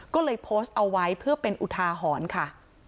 ก็เลยโพสต์เอาไว้เพื่อเป็นอุทาหรณ์ค่ะ